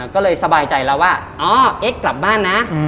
ก็เลยสบายใจแล้วว่าอ๋อเอ็กซ์กลับบ้านนะ